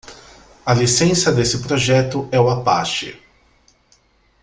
A licença desse projeto é o Apache.